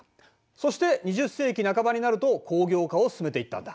そして２０世紀半ばになると工業化を進めていったんだ。